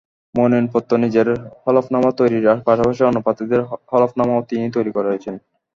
মনোনয়নপত্রে নিজের হলফনামা তৈরির পাশাপাশি অন্য প্রার্থীদের হলফনামাও তিনি তৈরি করেছেন।